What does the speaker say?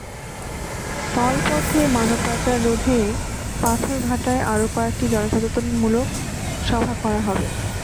স্থলপথে মানব পাচার রোধে পাথরঘাটায় আরও কয়েকটি জনসচেতনতামূলক সভা করা হবে।